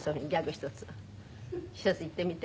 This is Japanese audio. １つ言ってみて。